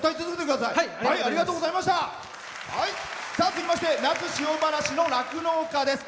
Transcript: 続きまして那須塩原市の酪農家です。